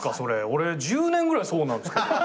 俺１０年ぐらいそうなんすけど。